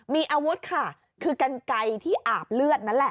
มีอาวุธค่ะคือกันไกลที่อาบเลือดนั่นแหละ